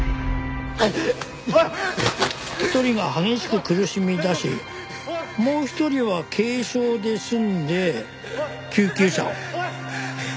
一人が激しく苦しみ出しもう一人は軽症で済んで救急車を。